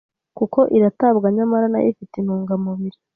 kuko iratabwa nyamara nayo ifite intungamubiri